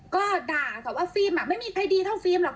ก็ด่าแต่ว่าฟิล์มไม่มีใครดีเท่าฟิล์มหรอก